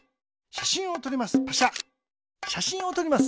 しゃしんをとります。